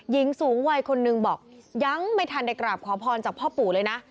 หญิงสูงวัยคนหนึ่งบอกยังไม่ทันได้กราบขอพรจากพ่อปู่เลยนะ